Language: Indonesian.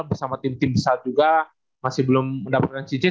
bersama tim tim besar juga masih belum mendapatkan cicit